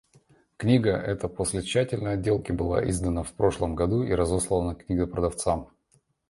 Книга эта после тщательной отделки была издана в прошлом году и разослана книгопродавцам.